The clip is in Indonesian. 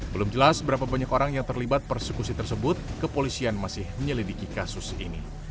belum jelas berapa banyak orang yang terlibat persekusi tersebut kepolisian masih menyelidiki kasus ini